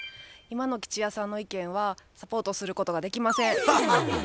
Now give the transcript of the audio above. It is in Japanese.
今の吉弥さんの意見はサポートすることができません。